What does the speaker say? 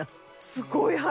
すごい話！